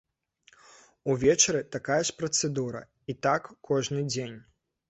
Увечары такая ж працэдура, і так кожны дзень.